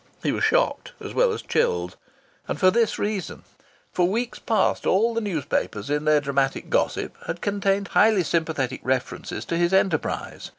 He was shocked, as well as chilled. And for this reason: for weeks past all the newspapers, in their dramatic gossip, had contained highly sympathetic references to his enterprise.